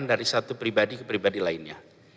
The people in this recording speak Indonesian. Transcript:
dari satu pribadi ke pribadi lainnya